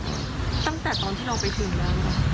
ตั้งแต่ตอนที่เราไปถึงแล้วหรือเปล่า